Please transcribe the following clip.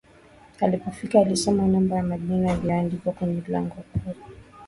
Alipofika alisoma namba na majina yaliyoandikwa kwenye lango kuu